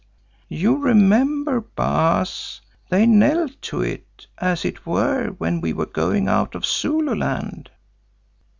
You remember, Baas, they knelt to it, as it were, when we were going out of Zululand."